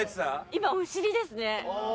今お尻ですね。